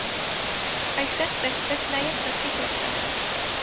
Այստեղ ստեղծվեց նաև թղթի գործարան։